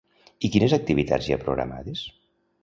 I quines activitats hi ha programades?